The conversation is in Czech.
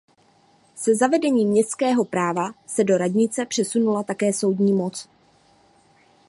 Se zavedením městského práva se do radnice přesunula také soudní moc.